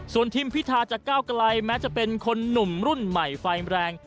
ส่วนที่มพิทาจะก้าวกลัยแม้จะเป็นคนหนุ่มรุ่นใหม่ฝ่ายแรง